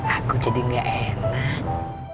aku jadi gak enak